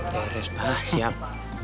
beres pak siap